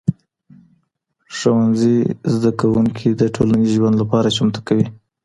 ښوونځي زدهکوونکي د ټولنیز ژوند لپاره چمتو کوي.